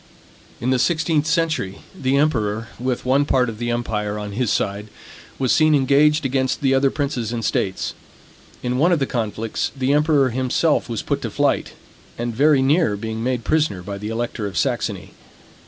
In the sixteenth century, the emperor, with one part of the empire on his side, was seen engaged against the other princes and states. In one of the conflicts, the emperor himself was put to flight, and very near being made prisoner by the elector of Saxony.